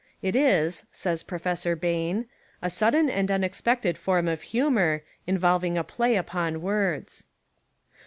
"It is," says Professor Bain, "a sudden and unexpected form of humour, involving a play upon words."